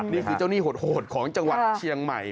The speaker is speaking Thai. นี่คือเจ้าหนี้โหดของจังหวัดเชียงใหม่